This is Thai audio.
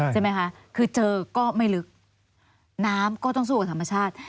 ใช่ไหมคะคือเจอก็ไม่ลึกน้ำก็ต้องสู้กับธรรมชาติ